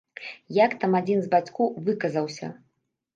Як там адзін з бацькоў выказаўся?